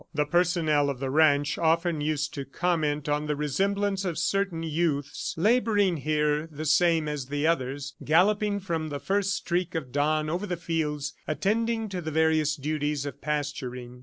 The personnel of the ranch often used to comment on the resemblance of certain youths laboring here the same as the others, galloping from the first streak of dawn over the fields, attending to the various duties of pasturing.